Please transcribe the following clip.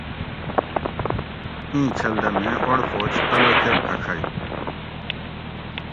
ایں چھل دہ میں اوڑ فوج قلعہ کہ پھڛئ